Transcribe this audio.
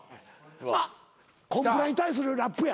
あっコンプラに対するラップや。